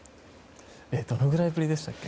どれくらいぶりでしたっけ？